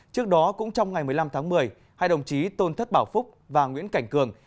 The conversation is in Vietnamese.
trước đó cũng trong ngày một mươi năm tháng một mươi hai đồng chí tôn thất bảo phúc và nguyễn cảnh cường